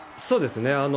そうですね。